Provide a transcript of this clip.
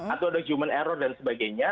atau ada human error dan sebagainya